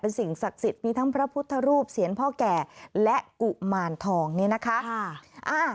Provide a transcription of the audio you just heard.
สิ่งศักดิ์สิทธิ์มีทั้งพระพุทธรูปเสียงพ่อแก่และกุมารทองนี่นะคะ